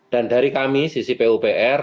dan dari kami sisi pupr